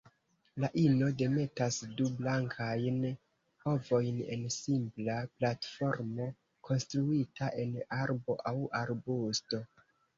La ino demetas du blankajn ovojn en simpla platformo konstruita en arbo aŭ arbusto.